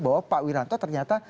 bahwa pak wiranto ternyata